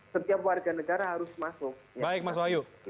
setiap warga negara harus masuk